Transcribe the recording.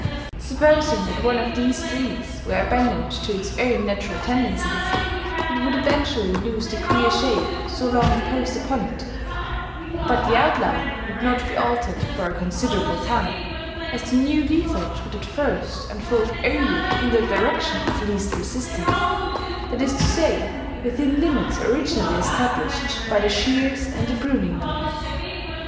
Supposing that one of these trees were abandoned to its own natural tendencies, it would eventually lose the queer shape so long imposed upon it; but the outline would not be altered for a considerable time, as the new leafage would at first unfold only in the direction of least resistance: that is to say, within limits originally established by the shears and the pruning knife.